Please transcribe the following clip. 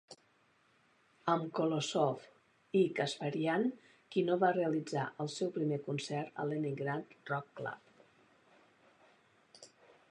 Amb Kolosov i Kasparyan, Kino va realitzar el seu primer concert a Leningrad Rock Club.